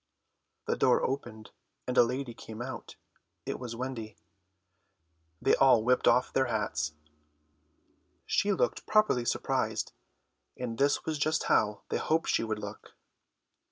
The door opened and a lady came out. It was Wendy. They all whipped off their hats. She looked properly surprised, and this was just how they had hoped she would look.